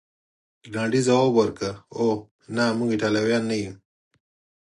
رینالډي ځواب ورکړ: اوه، نه، موږ ایټالویان نه یو.